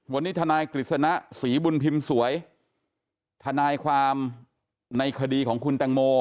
วันนี้ทนายกฤษณะศรีบุญพิมพ์สวยทนายความในคดีของคุณแตงโม